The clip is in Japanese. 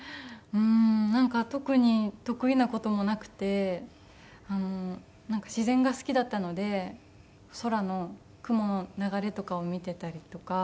なんか特に得意な事もなくて自然が好きだったので空の雲の流れとかを見ていたりとか。